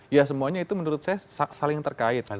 ya semuanya itu menurut saya saling terkait